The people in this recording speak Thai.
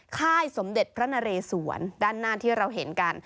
ค่ายสมเด็จพระนเรสวนด้านหน้าที่เราเห็นกัน